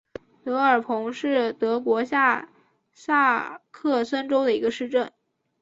德尔彭是德国下萨克森州的一个市镇。